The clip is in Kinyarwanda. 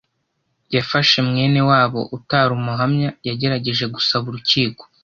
yafashe mwene wabo utari umuhamya yagerageje gusaba urukiko